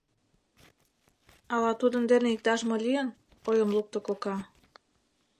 — Ала тудын дене иктаж-мо лийын? — ойым лукто кока.